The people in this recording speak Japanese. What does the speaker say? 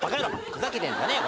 ふざけてんじゃねえよ。